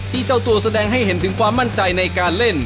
เจ้าตัวแสดงให้เห็นถึงความมั่นใจในการเล่น